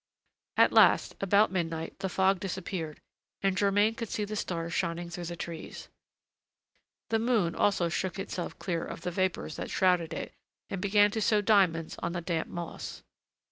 At last, about midnight, the fog disappeared, and Germain could see the stars shining through the trees. The moon also shook itself clear of the vapors that shrouded it and began to sow diamonds on the damp moss.